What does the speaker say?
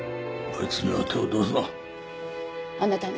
あいつには手を出すな